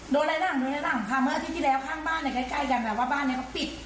อะไรหลังโดนอะไรหลังค่ะเมื่ออาทิตย์ที่แล้วข้างบ้านเนี่ยใกล้กันแบบว่าบ้านนี้เขาปิด